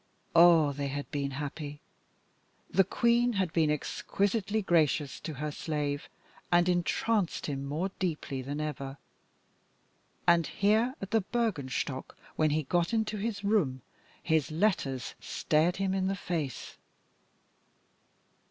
Ah! they had been happy. The Queen had been exquisitely gracious to her slave, and entranced him more deeply than ever. And here at the Bürgenstock, when he got into his room, his letters stared him in the face.